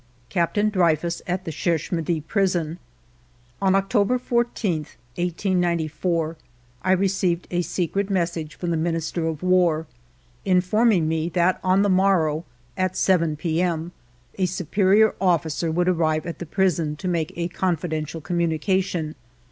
] CAPTAIN DREYFUS AT THE CHERCHE MIDI PRISON On October 14, 1894, I received a secret message from the Minister of War informing me that on the morrow, at 7 p.m., a superior officer would arrive at the prison to make a confidential communication.